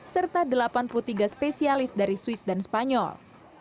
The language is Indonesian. serta delapan puluh tiga spesialis dari swiss dan spanyol